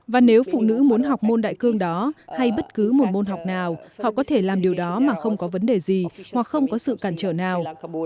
và nếu phụ nữ muốn học môn đại cương đó hay bất cứ một môn học nào họ có thể làm điều đó mà không có vấn đề gì hoặc không có sự cản trở nào